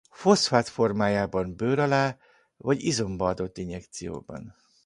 Foszfát formában bőr alá vagy izomba adott injekcióban.